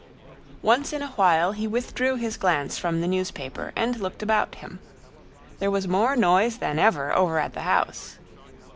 Once in a while he withdrew his glance from the newspaper and looked about him. There was more noise than ever over at the house.